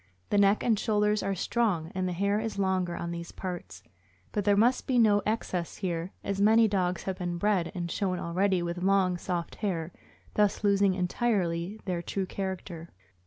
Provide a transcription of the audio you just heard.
The neck and shoulders are strong, and the hair is longer on these parts, but there must be no excess here, as many dogs have been bred and shown already with long, soft hair, thus losing entirely their true character.